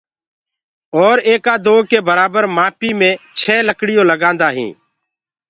اور ايڪآ دو ڪي برآبر مآپي مي ڇي لڪڙيو لگآندآ هينٚ